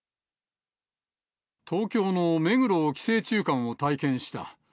東京の目黒寄生虫館を体験した。